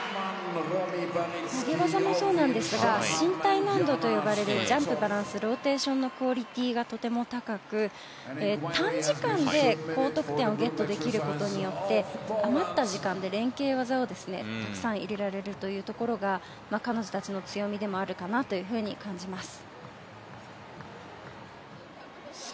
投げ技もそうなんですが身体難度と呼ばれるジャンプ、バランスローテーションのクオリティーがとても高く短時間で高得点をゲットできることによって余った時間で連係技をたくさん入れられるところが彼女たちの強みでもあるかなと感じます。